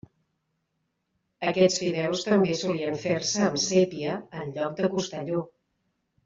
Aquests fideus també solien fer-se amb sépia en lloc de costelló.